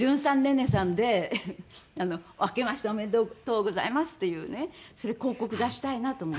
ネネさんであけましておめでとうございますっていうねそれ広告出したいなと思って。